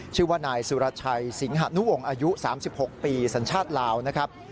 ชื่อว่านายสุรชัยสิงหะนุวงศ์อายุ๓๖ปีสัญชาติลาวนะครับ